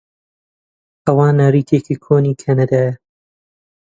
ئەوە نەریتێکی کۆنی کەنەدییە.